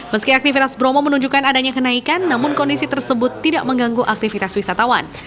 meski aktivitas bromo menunjukkan adanya kenaikan namun kondisi tersebut tidak mengganggu aktivitas wisatawan